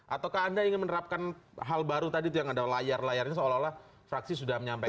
ataukah anda ingin menerapkan hal baru tadi itu yang anda layar layarnya seolah olah fraksi sudah menyampaikan